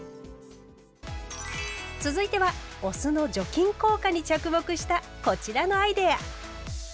続いてはお酢の除菌効果に着目したこちらのアイデア。